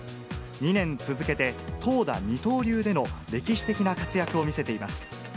２年続けて投打二刀流での歴史的な活躍を見せています。